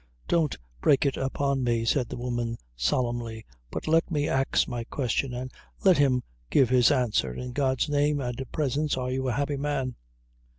"Don't break it upon me," said the woman, solemnly, "but let me ax my question, an' let him give his answer. In God's name and presence, are you a happy man?"